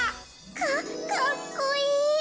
かかっこいい。